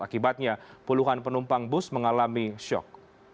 akibatnya puluhan penumpang bus mengalami syok